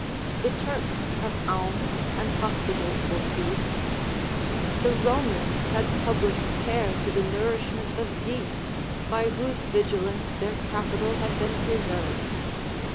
The Turks have alms and hospitals for beasts. The Romans had public care to the nourishment of geese, by whose vigilance their Capitol had been preserved.